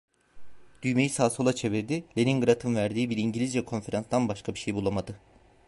Düğmeyi sağa sola çevirdi; Leningrad'ın verdiği bir İngilizce konferanstan başka bir şey bulamadı.